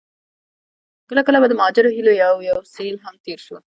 کله کله به د مهاجرو هيليو يو يو سيل هم تېر شو.